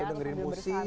atau dengerin musik